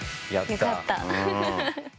よかった。